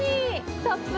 たっぷり。